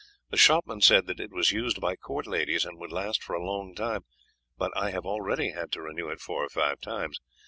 The shopman said that it was used by court ladies and would last for a long time, but I have already had to renew it four or five times.